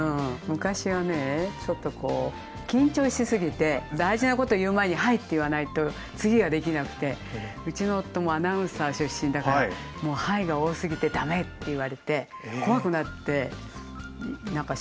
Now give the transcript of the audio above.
昔はねちょっとこう緊張しすぎて大事なこと言う前に「はい」って言わないと次ができなくてうちの夫もアナウンサー出身だから「『はい』が多すぎて駄目」って言われて怖くなって何かしゃべれなくなったこと思い出しました。